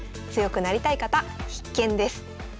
強くなりたい方必見です。